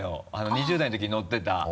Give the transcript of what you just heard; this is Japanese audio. ２０代の時乗ってた。